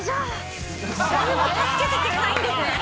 誰も助けてくれないんですね。